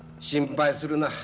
心配するな。